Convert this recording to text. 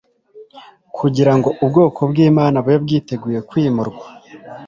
kugira ngo ubwoko bw'imana bube bwiteguye kwimurwa